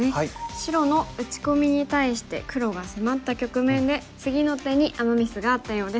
白の打ち込みに対して黒が迫った局面で次の手にアマ・ミスがあったようです。